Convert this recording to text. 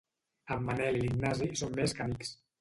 En Manel i l'Ignasi són més que amics.